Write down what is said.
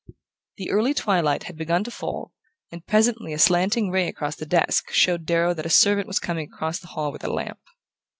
The early twilight had begun to fall, and presently a slanting ray across the desk showed Darrow that a servant was coming across the hall with a lamp.